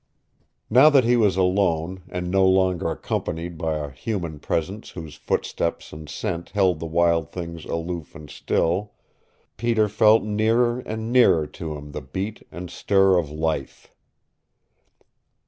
Now that he was alone, and no longer accompanied by a human presence whose footsteps and scent held the wild things aloof and still, Peter felt nearer and nearer to him the beat and stir of life.